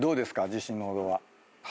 自信の程は。